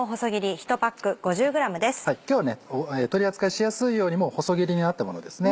今日は取り扱いしやすいようにもう細切りになったものですね。